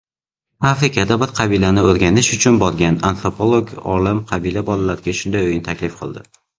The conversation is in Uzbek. Afrikadagi bir qabilani oʻrganish uchun borgan antropolog olim qabila bolalariga shunday oʻyin taklif qildi.